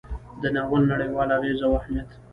د ناول نړیوال اغیز او اهمیت: